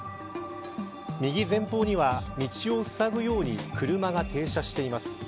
右前方には道をふさぐように車が停車しています。